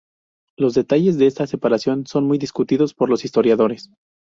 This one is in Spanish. Los detalles de esta separación son muy discutidos por los historiadores.